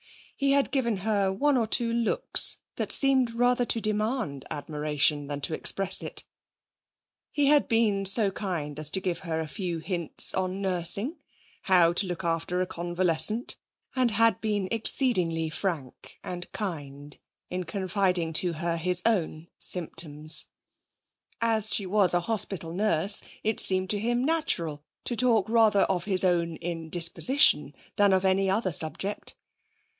He had given her one or two looks that seemed rather to demand admiration than to express it; he had been so kind as to give her a few hints on nursing; how to look after a convalescent; and had been exceedingly frank and kind in confiding to her his own symptoms. As she was a hospital nurse, it seemed to him natural to talk rather of his own indisposition than on any other subject.